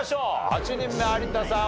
８人目有田さん